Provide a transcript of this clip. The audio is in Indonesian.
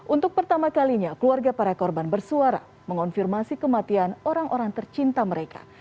untuk pertama kalinya keluarga para korban bersuara mengonfirmasi kematian orang orang tercinta mereka